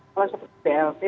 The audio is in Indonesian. kalau seperti blt